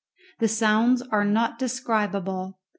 The sounds are not describable.